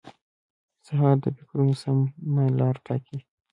سهار د فکرونو سمه لار ټاکي.